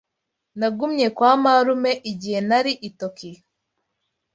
Nagumye kwa marume igihe nari i Tokiyo.